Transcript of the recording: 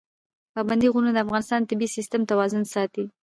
پابندي غرونه د افغانستان د طبعي سیسټم توازن ساتي.